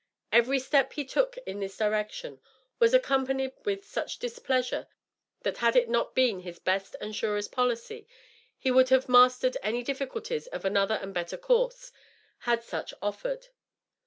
Every step he took in this direction was accompanied with such displeasure, that had it not been his best and surest policy, he would have mastered any difficulties of another and better course, had such offered.